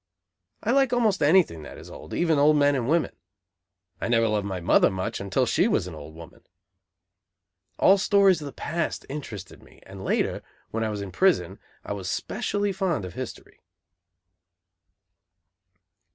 I like almost anything that is old, even old men and women. I never loved my mother much until she was an old woman. All stories of the past interested me; and later, when I was in prison, I was specially fond of history.